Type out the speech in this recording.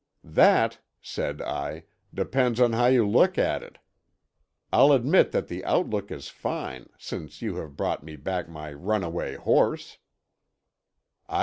"That," said I, "depends on how you look at it. I'll admit that the outlook is fine—since you have brought me back my runaway horse."